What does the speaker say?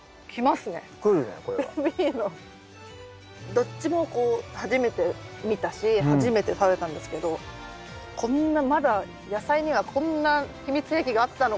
どっちもこう初めて見たし初めて食べたんですけどこんなまだ野菜にはこんな秘密兵器があったのかと。